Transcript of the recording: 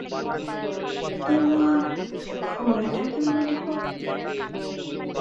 তোমার ঘোড়াটাকেও রেডি করো।